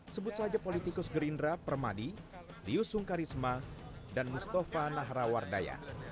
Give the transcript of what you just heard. sebut saja politikus gerindra permadi diusung karisma dan mustafa naharawardaya